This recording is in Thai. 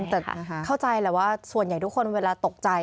แต่เข้าใจแหละว่าส่วนใหญ่ทุกคนเวลาตกใจ